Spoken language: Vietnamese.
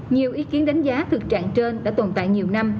nhiều ý kiến đánh giá thực trạng trên đã tồn tại nhiều năm